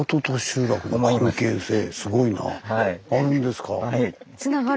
すごいな。